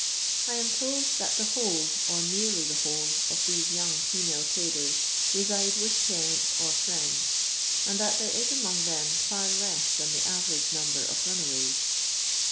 I am told that the whole, or nearly the whole, of these young female tniders reside with parents or friends^ and that there is among them far leu than the avenge number of runaways.